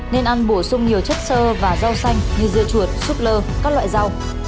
nên ăn bổ sung nhiều chất sơ và rau xanh như dưa chuột súp lơ các loại rau